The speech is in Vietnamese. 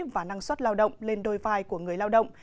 và năng suất lao động lên đôi vai của người lao động